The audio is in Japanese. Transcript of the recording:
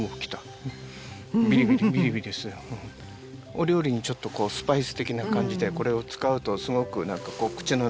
お料理にちょっとスパイス的な感じでこれを使うとすごく口の中が。